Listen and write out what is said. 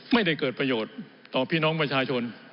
ไม่ได้เกิดประโยชน์ต่อพี่น้องประชาชน